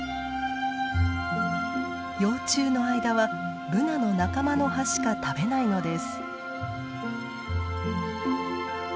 幼虫の間はブナの仲間の葉しか食べないのです。